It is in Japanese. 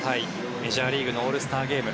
メジャーリーグのオールスターゲーム。